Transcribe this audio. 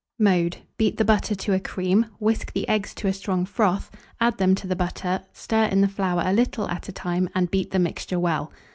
Mode. Beat the butter to a cream; whisk the eggs to a strong froth, add them to the butter, stir in the flour a little at a time, and beat the mixture well.